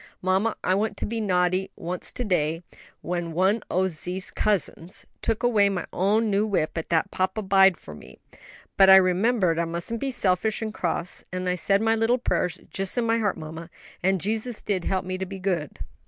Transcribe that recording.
Mamma, I wanted to be naughty once to day when one o' zese cousins took away my own new whip that papa buyed for me; but I remembered I mustn't be selfish and cross, and I said my little prayers jus' in my heart, mamma and Jesus did help me to be good."